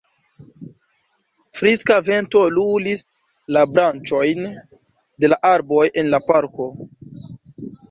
Friska vento lulis la branĉojn de la arboj en la parko.